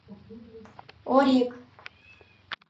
Орик.